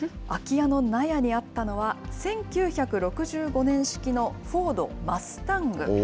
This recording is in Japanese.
空き家の納屋にあったのは、１９６５年式の、フォード、マスタング。